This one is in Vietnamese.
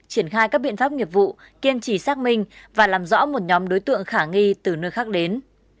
triển khai các biện pháp nghiệp vụ kiên trì xác minh và làm rõ một nhóm đối tượng khả nghi từ nơi khác đến